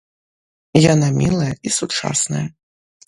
Яна мілая і сучасная.